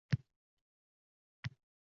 Hayotning bu nomutanosibligi bor.